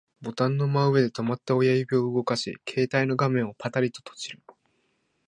ボタンの真上で止まった親指を動かし、携帯の画面をパタリと閉じる